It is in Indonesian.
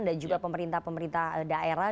juga pemerintah pemerintah daerah